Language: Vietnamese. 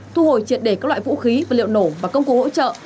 thu hồi triệt để các loại vũ khí vật liệu nổ và công cụ hỗ trợ